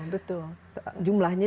betul betul jumlahnya